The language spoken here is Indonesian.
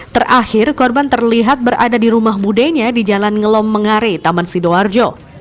terakhir korban terlihat berada di rumah budenya di jalan ngelom mengare taman sidoarjo